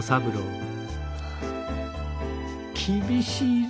厳しいぞ。